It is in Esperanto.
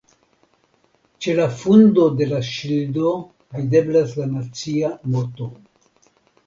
Ĉe la fundo de la ŝildo videblas la nacia moto.